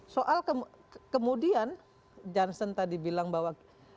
soal kemudian johnson tadi bilang bahwa